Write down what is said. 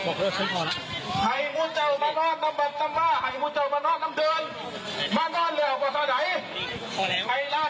ใครลาดข้ามาเปิดขายของยั่วที่เหล่นมุเจ้าดี